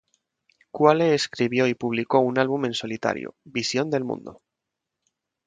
Quale escribió y publicó un álbum en solitario,"visión del mundo".